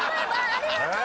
ありがとう！